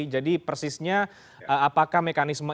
jadi persisnya apakah mekanisme